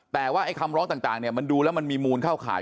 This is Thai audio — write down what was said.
แต่ว่าไอ้คำร้องต่างเนี่ยมันดูแล้วมันมีมูลเข้าข่าย